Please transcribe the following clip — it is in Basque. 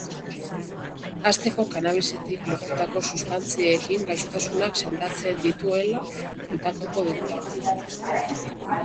Hasteko, cannabis-etik lortutako sustantziekin gaixotasunak sendatzen dituela kontatuko digu.